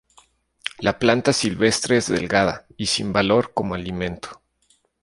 La planta silvestre es delgada y sin valor como alimento.